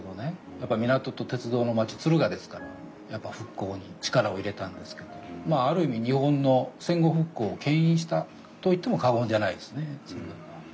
やっぱり港と鉄道の町敦賀ですから復興に力を入れたんですけどまあある意味日本の戦後復興をけん引したと言っても過言じゃないですね敦賀は。